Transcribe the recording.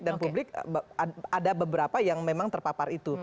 dan publik ada beberapa yang memang terpapar itu